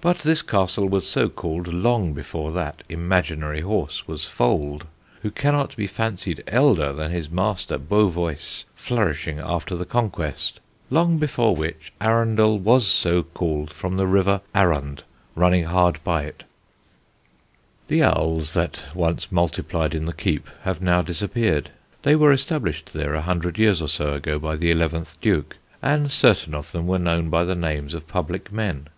But this Castle was so called long before that Imaginary Horse was foled, who cannot be fancied elder than his Master Beavoice, flourishing after the Conquest, long before which Arundel was so called from the river Arund running hard by it." [Sidenote: LORD THURLOW LAYS AN EGG] The owls that once multiplied in the keep have now disappeared. They were established there a hundred years or so ago by the eleventh Duke, and certain of them were known by the names of public men.